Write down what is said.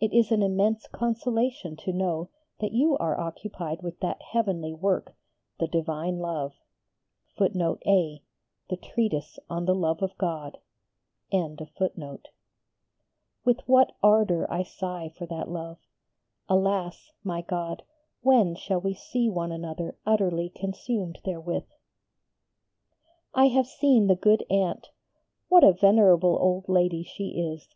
It is an immense consolation to know that you are occupied with that heavenly work "the Divine Love."[A] With what ardour I sigh for that love! Alas! my God, when shall we see one another utterly consumed therewith? I have seen the good aunt: what a venerable old lady she is!